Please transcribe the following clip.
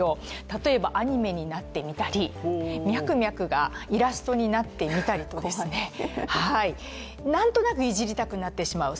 例えば、アニメになってみたり、ミャクミャクがイラストになってみたりと、なんとなく、いじりたくなってしまう。